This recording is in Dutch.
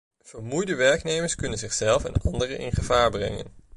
Vermoeide werknemers kunnen zichzelf en anderen in gevaar brengen.